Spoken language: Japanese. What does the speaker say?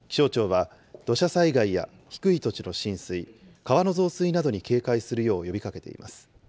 気象庁は、土砂災害や低い土地の浸水、川の増水などに警戒するよう呼びかけています。